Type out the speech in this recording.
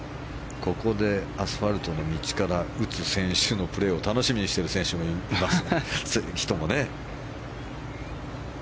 ここでアスファルトの道から打つ選手のプレーを楽しみにしている人もいます。